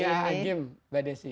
jadi ingatlah dunia hakim